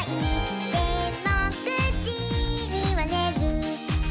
「でも９じにはねる」